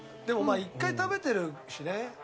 でもまあ１回食べてるしね。